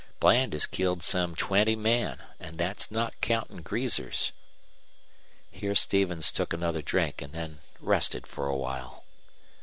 Bland has killed some twenty men, an' thet's not countin' greasers." Here Stevens took another drink and then rested for a while.